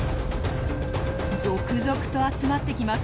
続々と集まってきます。